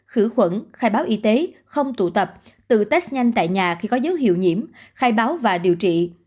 khử khuẩn khai báo y tế không tụ tập tự test nhanh tại nhà khi có dấu hiệu nhiễm khai báo và điều trị